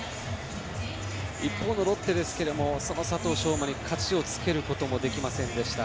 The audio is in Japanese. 一方のロッテですが佐藤奨真に勝ちをつけることもできませんでした。